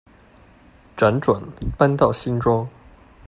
輾轉搬到新莊